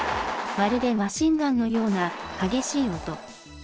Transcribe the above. まるでマシンガンのような、激しい音。